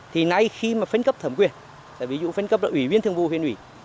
thì nay khi mà phân cấp thẩm quyền ví dụ phân cấp ủy viên thường vụ huyện ủy